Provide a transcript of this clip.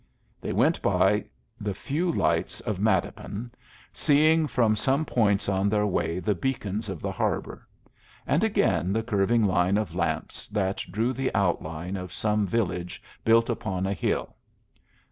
They went by the few lights of Mattapan, seeing from some points on their way the beacons of the harbor, and again the curving line of lamps that drew the outline of some village built upon a hill.